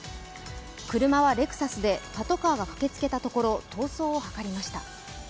車はレクサスで、パトカーが駆けつけたところ逃走を図りました。